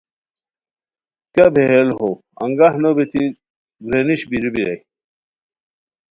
کیہ بیہیل ہوؤ انگاہ نو بیتی گرانیش بیرو بیرائے